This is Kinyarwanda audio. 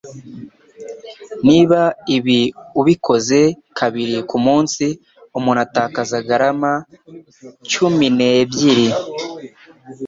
Niba ibi ubikoze kabiri ku munsi umuntu atakaza garama cyuminebyiri